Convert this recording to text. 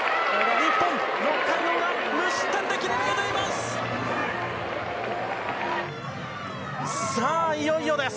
日本、６回の裏、無失点で切り抜けています。